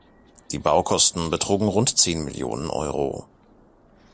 Die Baukosten betrugen rund zehn Millionen Euro.